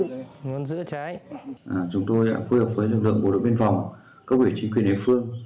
chúng tôi đã phối hợp với lực lượng bộ đội biên phòng cơ bể chính quyền hệ phương